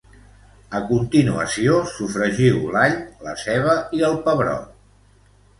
A continuació, sofregiu l'all, la ceba i el pebrot.